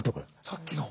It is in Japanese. さっきの？